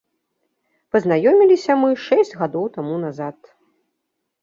Пазнаёміліся мы шэсць гадоў таму назад.